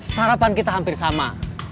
sarapan kita hampir sama